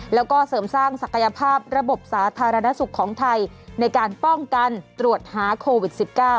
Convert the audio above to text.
แล้วก็เสริมสร้างศักยภาพระบบสาธารณสุขของไทยในการป้องกันตรวจหาโควิด๑๙